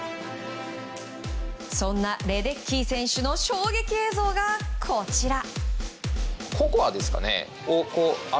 そんなレデッキー選手の衝撃映像が、こちら。